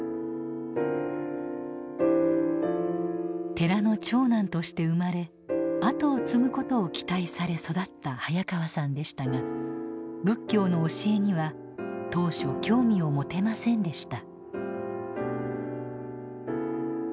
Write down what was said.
寺の長男として生まれあとを継ぐことを期待され育った早川さんでしたが仏教の教えには当初興味を持てませんでした。